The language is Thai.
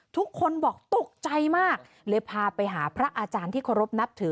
ทุกคนบอกตกใจมากเลยพาไปหาพระอาจารย์ที่เคารพนับถือ